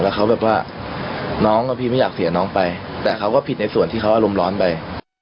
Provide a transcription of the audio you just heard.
แล้วเขาแบบว่าน้องอะพี่ไม่อยากเสียน้องไปแต่เขาก็ผิดในส่วนที่เขาอารมณ์ร้อนไป